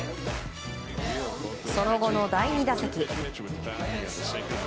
その後の第２打席。